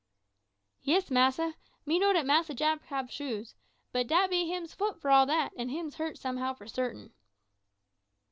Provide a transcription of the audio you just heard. "Yis, massa, me know dat Massa Jack hab shoes. But dat be him's foot for all dat, and him's hurt somehow for certain."